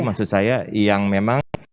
maksud saya yang memang